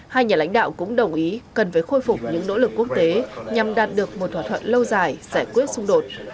hai nhà lãnh đạo cũng đồng ý cần phải khôi phục những nỗ lực quốc tế nhằm đạt được một thỏa thuận lâu dài giải quyết xung đột